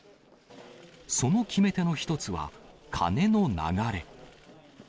その決め手の一つは金の流れ。